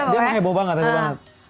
dia mah hebo banget